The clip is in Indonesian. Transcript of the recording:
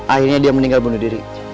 akhirnya dia meninggal bunuh diri